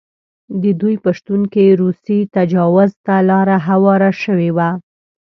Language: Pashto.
د دوی په شتون کې روسي تجاوز ته لاره هواره شوې وه.